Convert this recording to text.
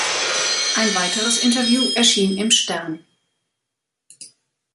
Ein weiteres Interview erschien im Stern.